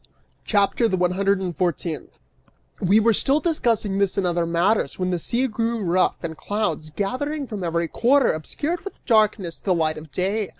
CHAPTER THE ONE HUNDRED AND FOURTEENTH. We were still discussing this and other matters when the sea grew rough, and clouds, gathering from every quarter, obscured with darkness the light of day.